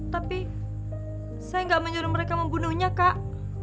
tapi saya nggak menyuruh mereka membunuhnya kak